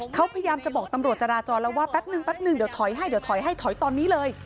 เขาพยายามจะบอกตำรวจจราจรแล้วว่าแป๊บนึงเดี๋ยวถอยให้ถอยตอนนี้เลย